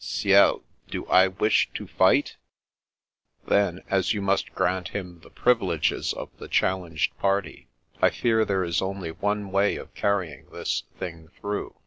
Ciel! Do I wish to fight?" 254 T^^^ Princess Passes if Then, as you must grant him the privileges of the challenged party, I fear there is only one way of carrying this thing through.